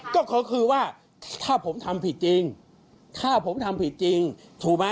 ก็เขาคือว่าถ้าผมทำผิดจริงถูกมะ